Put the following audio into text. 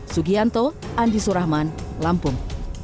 sugianto andi surahman lampung